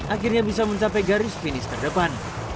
akhirnya bisa mencapai garis finish terdepan